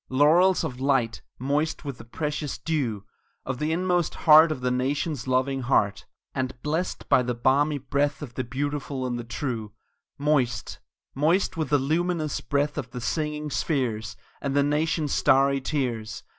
Laurels of light, moist with the precious dew Of the inmost heart of the nation's loving heart, And blest by the balmy breath of the beautiful and the true; Moist moist with the luminous breath of the singing spheres And the nation's starry tears!